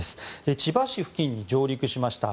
千葉市付近に上陸しました。